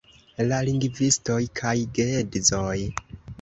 La lingvistoj kaj geedzoj